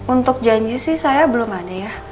untuk janji sih saya belum ada ya